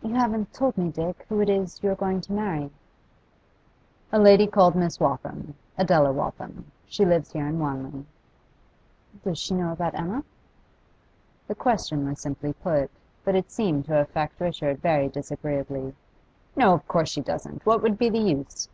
'You haven't told me, Dick, who it is you're going to marry.' 'A lady called Miss Waltham Adela Waltham. She lives here in Wanley.' 'Does she know about Emma?' The question was simply put, but it seemed to affect Richard very disagreeably. 'No, of course she doesn't. What would be the use?